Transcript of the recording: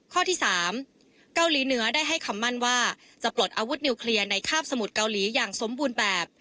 ข้อที่๓เกาหลีเหนือได้ให้คำมั่นว่าจะปลดอาวุธนิวเคลียร์ในคาบสมุทรเกาหลีอย่างสมบูรณ์แบบ